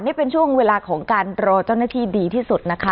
นี่เป็นช่วงเวลาของการรอเจ้าหน้าที่ดีที่สุดนะคะ